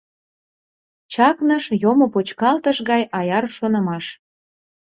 Чакныш, йомо почкалтыш гай аяр шонымаш.